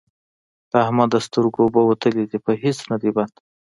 د احمد د سترګو اوبه وتلې دي؛ په هيڅ نه دی بند،